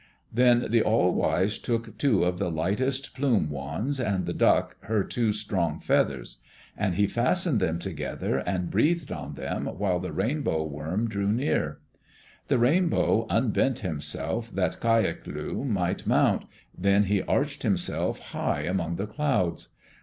Then the All wise took two of the lightest plumewands, and the Duck her two strong feathers. And he fastened them together and breathed on them while the Rainbow worm drew near. The Rainbow unbent himself that K yak lu might mount, then he arched himself high among the clouds.